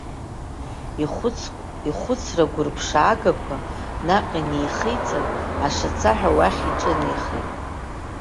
Ихәыцра гәырԥшаагақәа наҟ инеихицан, ашацаҳәа уахь иҿынеихеит.